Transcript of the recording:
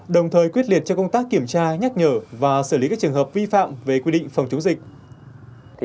đồng thời quyết liệt cho công tác kiểm tra nhắc nhở và xử lý các trường hợp vi phạm về quy định phòng chống dịch